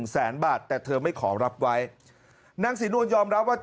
แสนบาทแต่เธอไม่ขอรับไว้นางศรีนวลยอมรับว่า